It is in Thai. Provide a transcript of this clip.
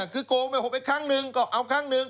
คือโกงไป๖ไปครั้งหนึ่งก็เอาครั้งหนึ่ง